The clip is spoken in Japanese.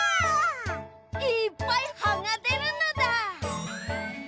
いっぱいはがでるのだ。